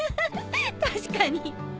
確かに。